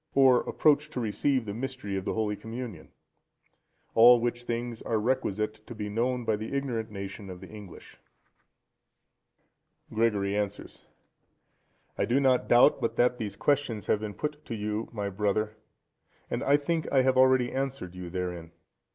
Or approach to receive the Mystery of the Holy Communion? All which things are requisite to be known by the ignorant nation of the English. Gregory answers.—I do not doubt but that these questions have been put to you, my brother, and I think I have already answered you therein.